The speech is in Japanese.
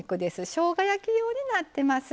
しょうが焼き用になってます。